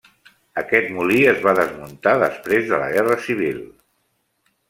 Aquest molí es va desmuntar després de la Guerra Civil.